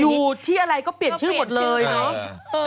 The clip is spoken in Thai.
อยู่ที่อะไรก็เปลี่ยนชื่อหมดเลยเนาะ